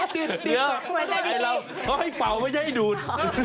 เขาให้เป่าไม่ให้ดูด